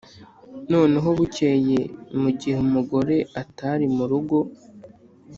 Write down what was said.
noneho bukeye mu ighe umugore atari mu rugo,